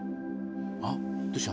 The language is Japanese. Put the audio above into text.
・あっどうした？